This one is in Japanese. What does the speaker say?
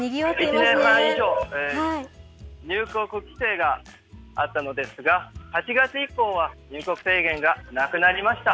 １年半以上、入国規制があったのですが、８月以降は入国制限がなくなりました。